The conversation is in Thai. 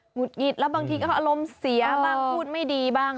ุดหงิดแล้วบางทีก็อารมณ์เสียบ้างพูดไม่ดีบ้าง